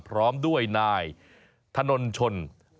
พร้อมด้วยนายถนนชน